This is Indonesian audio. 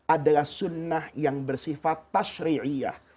adalah sunnah yang bersifat tashririyah